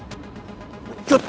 kecer caesar bbb